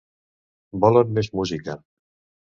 Volen més música.